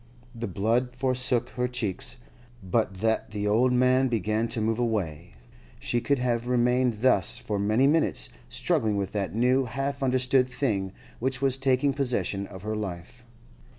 The blood forsook her cheeks. But that the old man began to move away, she could have remained thus for many minutes, struggling with that new, half understood thing which was taking possession of her life.